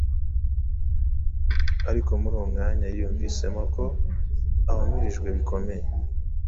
ariko muri uwo mwanya yiyumvisemo ko ahumurijwe bikomeye.